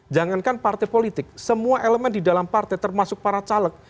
jangankan partai politik semua elemen di dalam partai termasuk para caleg